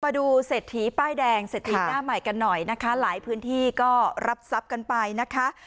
มาดูเศรษฐีป้ายแดงเศรษฐีหน้าใหม่กันหน่อยนะคะหลายพื้นที่ก็รับทรัพย์กันไปนะคะ